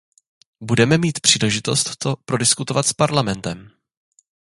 Budeme mít příležitost to prodiskutovat s Parlamentem.